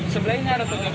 sebelah ini ada temen